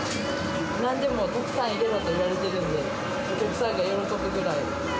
なんでもたくさん入れろと言われてるんで、お客さんが喜ぶぐらい。